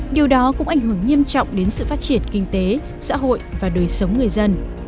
điều đó cũng ảnh hưởng nghiêm trọng đến sự phát triển kinh tế xã hội và đời sống người dân